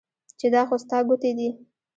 چې دا خو ستا ګوتې دي